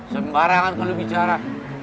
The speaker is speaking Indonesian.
sembarangan kalau bicara